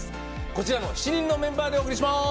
こちらの７人のメンバーでお送りします。